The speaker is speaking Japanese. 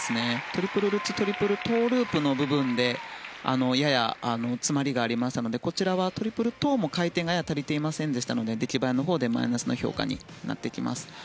トリプルルッツトリプルトウループの部分でやや詰まりがあったのでトリプルトウも回転が足りていなかったので出来栄えのほうでマイナスになってきます。